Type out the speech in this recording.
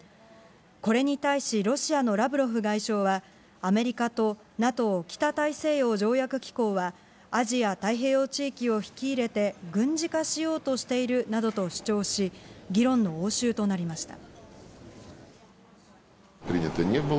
これに対しロシアのラブロフ外相は、アメリカとＮＡＴＯ・北大西洋条約機構は、アジア太平洋地域を引き入れて、軍事化しようとしているなどと主張し、議論の応酬となりました。